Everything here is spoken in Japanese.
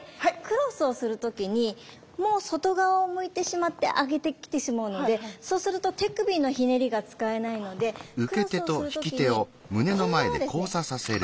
クロスをする時にもう外側を向いてしまって上げてきてしまうのでそうすると手首のひねりが使えないのでクロスをする時にこのままですねはい。